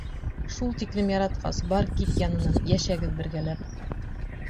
Шул тиклем яратҡас, бар кит янына, йәшәгеҙ бергәләп!